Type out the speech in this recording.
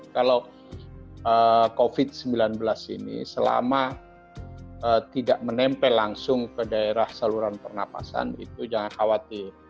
kalau covid sembilan belas ini selama tidak menempel langsung ke daerah saluran pernafasan itu jangan khawatir